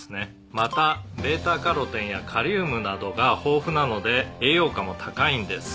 「またβカロテンやカリウムなどが豊富なので栄養価も高いんです」